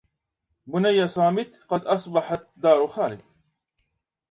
بني صامت قد أصبحت دار خالد